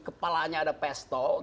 kepalanya ada pesto dan di dalam proses